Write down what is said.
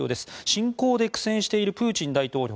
侵攻で苦戦しているプーチン大統領